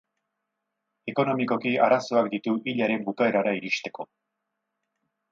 Ekonomikoki arazoak ditu hilaren bukaerara iristeko.